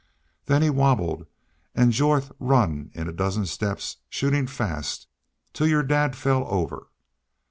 Then he wabbled an' Jorth run in a dozen steps, shootin' fast, till your dad fell over....